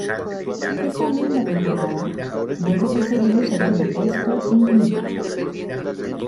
Esa misma temporada vuelve a conseguir un segundo puesto en liga.